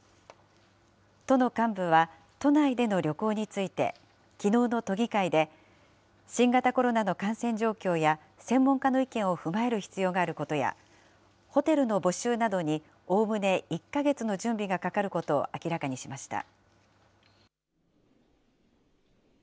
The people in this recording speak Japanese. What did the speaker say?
都の幹部は都内での旅行について、きのうの都議会で、新型コロナの感染状況や専門家の意見を踏まえる必要があることや、ホテルの募集などにおおむね１か月の準備がかかることを明らかにしました。